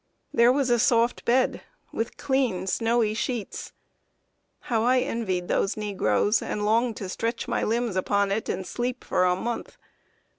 There was a soft bed, with clean, snowy sheets. How I envied those negroes, and longed to stretch my limbs upon it and sleep for a month!